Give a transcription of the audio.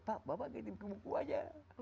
pak bapak ingin bikin buku saja